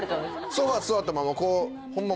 ソファ座ったままこうホンマ